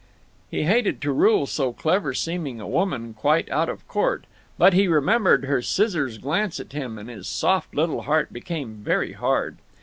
He hated to rule so clever seeming a woman quite out of court. But he remembered her scissors glance at him, and his soft little heart became very hard.